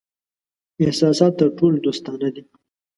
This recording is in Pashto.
احساسات تر ټولو دوستانه دي.